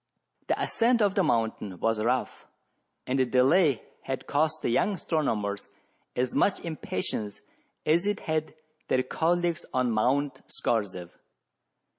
The ascent of the mountain was rough, and the delay had caused the young astronomers as much impa tience as it had their colleagues on Mount Scorzef.